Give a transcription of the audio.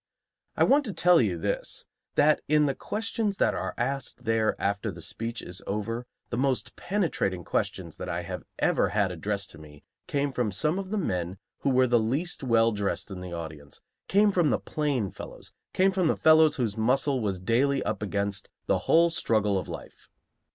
I want to tell you this, that in the questions that are asked there after the speech is over, the most penetrating questions that I have ever had addressed to me came from some of the men who were the least well dressed in the audience, came from the plain fellows, came from the fellows whose muscle was daily up against the whole struggle of life.